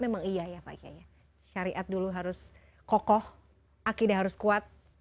memang iya ya pak kiai ya syariat dulu harus kokoh akidah harus kuat